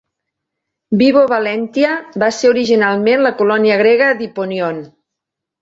Vibo Valentia va ser originalment la colònia grega d'Hipponion.